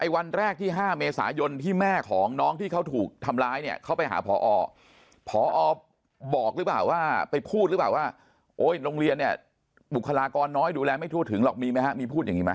วันแรกที่๕เมษายนที่แม่ของน้องที่เขาถูกทำร้ายเนี่ยเขาไปหาพอพอบอกหรือเปล่าว่าไปพูดหรือเปล่าว่าโอ๊ยโรงเรียนเนี่ยบุคลากรน้อยดูแลไม่ทั่วถึงหรอกมีไหมฮะมีพูดอย่างนี้ไหม